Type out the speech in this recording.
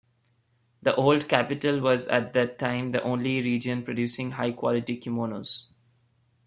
The old capital was at that time the only region producing high-quality kimonos.